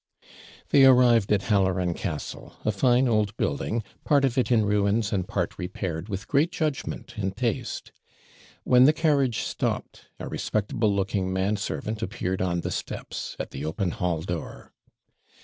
They arrived at Halloran Castle a fine old building, part of it in ruins, and part repaired with great judgment and taste. When the carriage stopped, a respectable looking man servant appeared on the steps, at the open hall door.